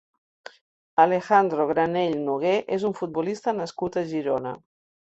Alejandro Granell Nogué és un futbolista nascut a Girona.